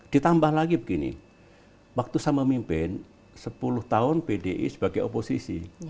ditambah lagi begini waktu saya memimpin sepuluh tahun pdi sebagai oposisi